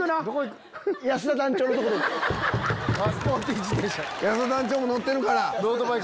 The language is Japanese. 安田団長も乗ってるから。